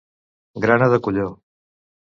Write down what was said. Grana de colló.